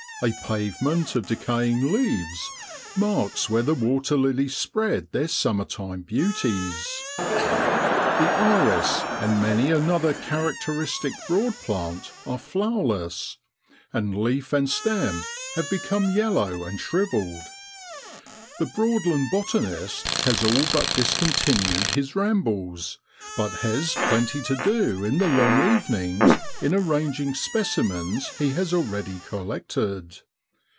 A pavement of decaying leaves marks where the water lilies spread their summer time beauties; the iris, and many another characteristic Broad plant are flowerless, and leaf and stem have become yellow and shrivelled. The Broad land botanist has all but discontinued his rambles, but has plenty to do in the long evenings in arranging specimens he has already collected.